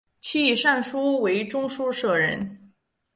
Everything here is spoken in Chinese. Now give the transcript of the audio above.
其以善书为中书舍人。